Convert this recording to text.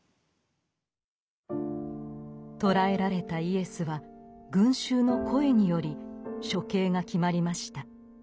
捕らえられたイエスは群衆の声により処刑が決まりました。